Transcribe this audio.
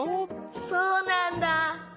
そうなんだ。